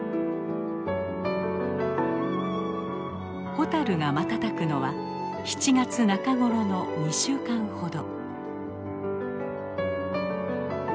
ホタルが瞬くのは７月中頃の２週間ほど。